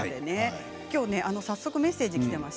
早速メッセージがきています。